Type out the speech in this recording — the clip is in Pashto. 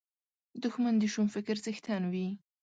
دښمن د شوم فکر څښتن وي